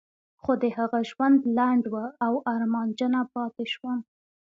خو د هغه ژوند لنډ و او ارمانجنه پاتې شوم.